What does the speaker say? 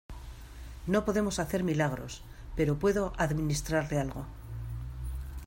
no podemos hacer milagros, pero puedo administrarle algo.